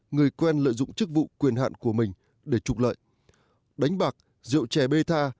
người quen lợi dụng chức vụ quyền hạn của mình để trục lợi đánh bạc rượu trẻ bê tha